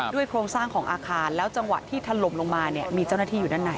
โครงสร้างของอาคารแล้วจังหวะที่ถล่มลงมาเนี่ยมีเจ้าหน้าที่อยู่ด้านใน